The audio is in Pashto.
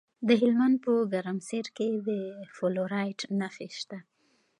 د هلمند په ګرمسیر کې د فلورایټ نښې شته.